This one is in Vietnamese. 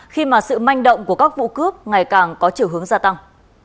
khi mà sự manh động của các vụ cướp ngày càng có chiều hướng gia tăng